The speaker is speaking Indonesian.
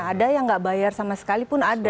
ada yang nggak bayar sama sekali pun ada